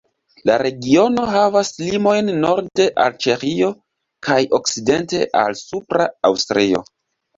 La regiono havas limojn norde al Ĉeĥio, kaj okcidente al Supra Aŭstrio.